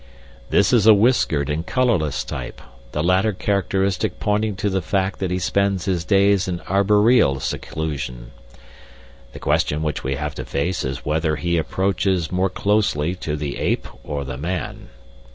"This is a whiskered and colorless type, the latter characteristic pointing to the fact that he spends his days in arboreal seclusion. The question which we have to face is whether he approaches more closely to the ape or the man.